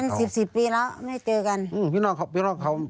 กันสิบปีแล้วไม่เจอกัน